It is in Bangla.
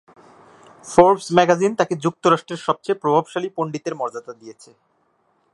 ফোর্বস ম্যাগাজিন তাকে যুক্তরাষ্ট্রের সবচেয়ে প্রভাবশালী পণ্ডিতের মর্যাদা দিয়েছে।